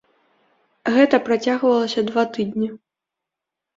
Гэта працягвалася два тыдні.